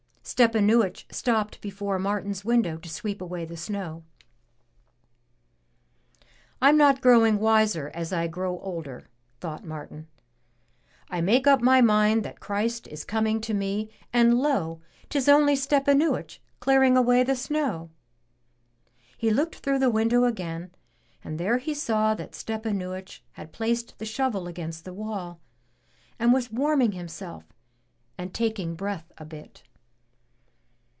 Stepanuich stopped before Martin's window to sweep away the snow. rm not growing wiser as I grow older," thought Martin, "I make up my mind that Christ is coming to me, and lo! 'tis only Stepanuich clearing away the snow.'* He looked through the window again, and there he saw that Stepanuich had placed the shovel against the wall, and was warming himself and taking breath a bit.